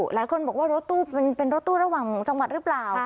หลายคนบอกว่ารถตู้เป็นรถตู้ระหว่างจังหวัดหรือเปล่า